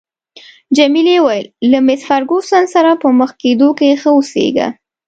جميلې وويل: له مېس فرګوسن سره په مخ کېدو کې ښه اوسیږه.